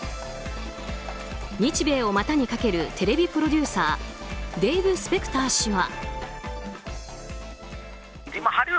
日米を股にかけるテレビプロデューサーデーブ・スペクター氏は。